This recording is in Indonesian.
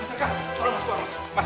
misalkan tolong mas keluar mas